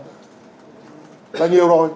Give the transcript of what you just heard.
rất là nhiều rồi